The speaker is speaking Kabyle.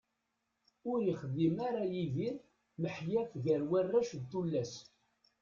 Ur ixeddem ara Yidir maḥyaf gar warrac d tullas.